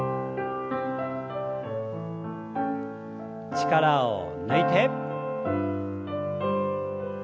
力を抜いて。